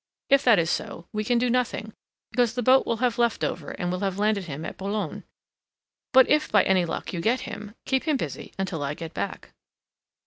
If that is so, we can do nothing, because the boat will have left Dover and will have landed him at Boulogne, but if by any luck you get him, keep him busy until I get back."